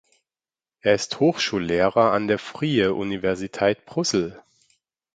Er ist Hochschullehrer an der Vrije Universiteit Brussel.